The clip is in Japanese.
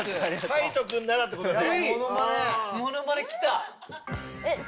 海人君なら！ってことね。